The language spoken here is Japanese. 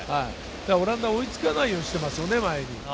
オランダ、前に追いつかないようにしてますよね。